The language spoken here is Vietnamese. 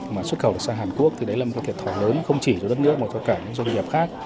mà xuất khẩu sang hàn quốc thì đấy là một thiệt thỏ lớn không chỉ cho đất nước mà cho cả doanh nghiệp khác